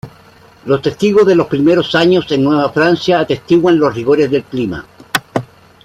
Los testigos de los primeros años en Nueva Francia atestiguan los rigores del clima.